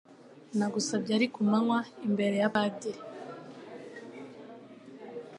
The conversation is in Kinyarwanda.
nagusabye ari kumanywa imbere ya padiri